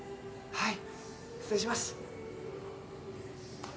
はい。